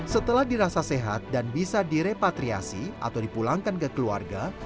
setelah dirasa sehat dan bisa direpatriasi atau dipulangkan ke keluarga